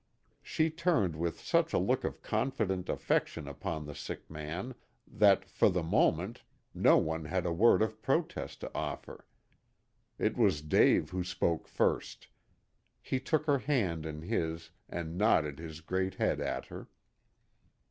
She turned with such a look of confident affection upon the sick man, that, for the moment, no one had a word of protest to offer. It was Dave who spoke first. He took her hand in his and nodded his great head at her.